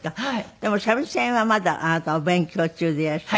でも三味線はまだあなたお勉強中でいらっしゃる？